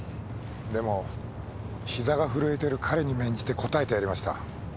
でもひざが震えてる彼に免じて答えてやりました。